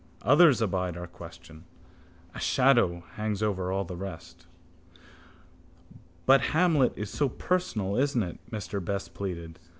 Others abide our question. A shadow hangs over all the rest. —But Hamlet is so personal, isn't it? Mr Best pleaded.